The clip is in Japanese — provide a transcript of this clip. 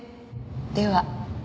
では。